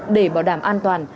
để bảo đảm an toàn